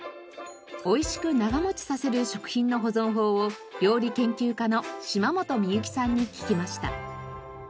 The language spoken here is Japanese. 美味しく長持ちさせる食品の保存法を料理研究家の島本美由紀さんに聞きました。